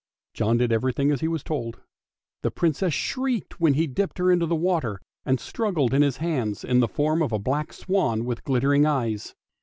John did everything as he was told. The Princess shrieked when he dipped her into the water, and struggled in his hands in the form of a black swan with glittering eyes.